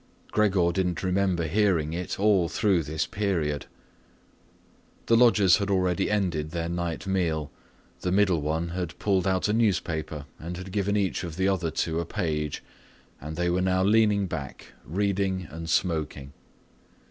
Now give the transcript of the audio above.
Gregor didn't remember hearing it all through this period. The lodgers had already ended their night meal, the middle one had pulled out a newspaper and had given each of the other two a page, and they were now leaning back, reading and smoking.